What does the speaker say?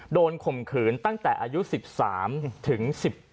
ข่มขืนตั้งแต่อายุ๑๓ถึง๑๗